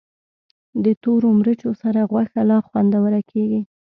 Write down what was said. د تورو مرچو سره غوښه لا خوندوره کېږي.